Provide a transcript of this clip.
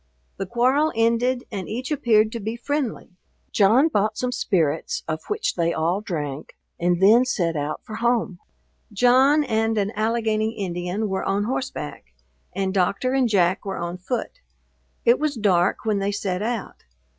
The quarrel ended, and each appeared to be friendly. John bought some spirits, of which they all drank, and then set out for home. John and an Allegany Indian were on horseback, and Doctor and Jack were on foot. It was dark when they set out.